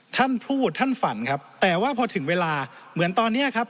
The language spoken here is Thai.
ท่านพูดท่านฝันครับแต่ว่าพอถึงเวลาเหมือนตอนเนี้ยครับ